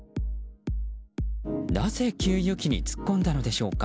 なぜ給油機に突っ込んだのでしょうか。